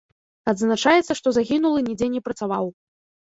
Адзначаецца, што загінулы нідзе не працаваў.